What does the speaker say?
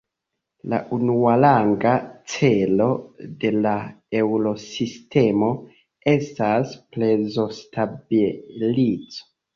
La unuaranga celo de la Eŭrosistemo estas prezostabileco.